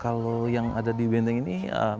kalau yang ada di benteng ini